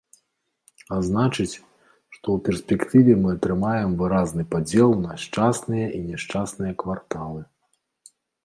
А значыць, што ў перспектыве мы атрымаем выразны падзел на шчасныя і няшчасныя кварталы.